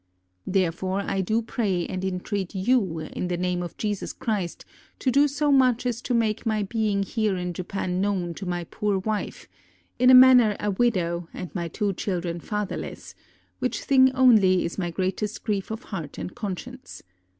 Therefore I do pray and entreat you in the name of Jesus Christ to do so much as to make my being here 330 THE COMING OF WILL ADAMS TO JAPAN in Japan known to my poor wife, in a manner a widow and my two children fatherless ; which thing only is my greatest grief of heart and conscience.